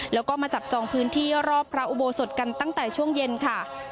แล้วก็มาจับจองพื้นที่รอบพระอุโบสถกันตั้งแต่ช่วงเย็นค่ะ